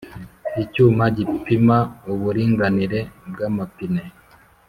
Icyuma gipima uburinganire bw’amapine.